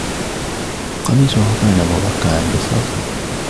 قميصهُ كان مبقعاً بالصلصة.